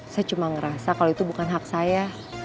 saya cuma ngerasa kalau itu bukan hak saya